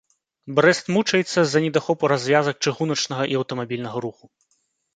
Брэст мучаецца з-за недахопу развязак чыгуначнага і аўтамабільнага руху.